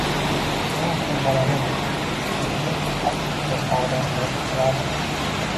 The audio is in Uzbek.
Shuning uchun bolaning o‘ziga xos xususiyatlaridan kelib chiqiladi.